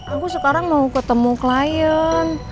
aku sekarang mau ketemu klien